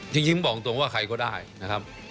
จริงบอกตรงว่าใครก็ได้นะครับ